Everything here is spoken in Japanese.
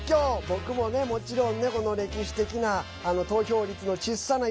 僕もね、もちろんねこの歴史的な投票率のちっさな